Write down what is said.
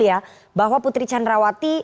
ya bahwa putri candrawati